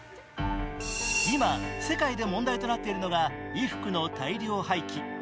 今、世界で問題となっているのが衣服の大量廃棄。